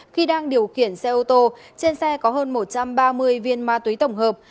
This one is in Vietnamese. khi đang điều khiển xe ô tô trên xe có hơn một trăm ba mươi viên ma túy tổng hợp